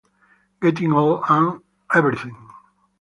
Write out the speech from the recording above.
Getting old and everything.